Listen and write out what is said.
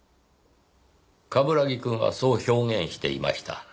冠城くんはそう表現していました。